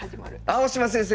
青嶋先生！